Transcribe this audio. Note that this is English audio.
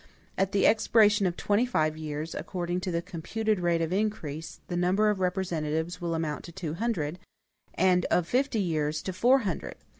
At the expiration of twenty five years, according to the computed rate of increase, the number of representatives will amount to two hundred, and of fifty years, to four hundred.